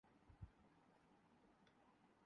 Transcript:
اس کا ایمان ہمارے ایمان سے کہین زیادہ آگے ہو